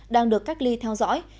đang được cách ly theo dõi